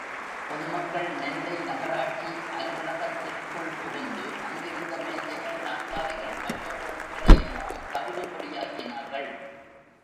பொதுமக்கள் நெல்லை நகராட்சி அலுவலகத்திற்குள் புகுந்து அங்கிருந்த மேசைகள் நாற்காலிகள், மற்ற பொருட்களை எல்லாம் தவிடு பொடியாக்கினார்கள்.